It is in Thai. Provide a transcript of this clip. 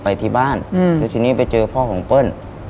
ไปที่บ้านแล้วทีนี้ไปเจอพ่อของเปิ้ล